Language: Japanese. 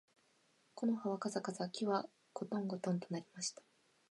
木の葉はかさかさ、木はごとんごとんと鳴りました